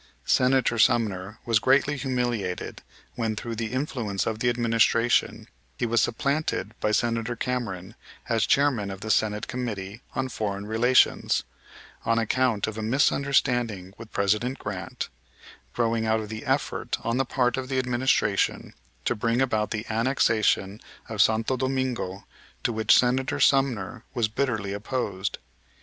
Senator Sumner was greatly humiliated, when, through the influence of the administration, he was supplanted by Senator Cameron as Chairman of the Senate Committee on Foreign Relations on account of a misunderstanding with President Grant, growing out of the effort on the part of the administration to bring about the annexation of Santo Domingo, to which Senator Sumner was bitterly opposed.